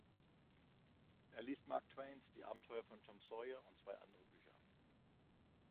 Er liest Mark Twains "Die Abenteuer von Tom Sawyer" und zwei andere Bücher.